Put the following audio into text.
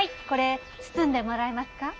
これ包んでもらえますか？